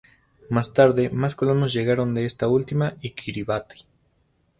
Más tarde, más colonos llegaron de esta última y Kiribati.